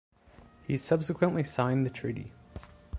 He subsequently signed the treaty.